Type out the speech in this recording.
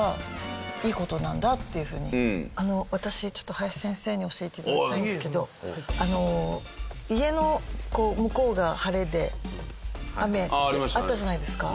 私ちょっと林先生に教えて頂きたいんですけど家の向こうが晴れで雨ってあったじゃないですか。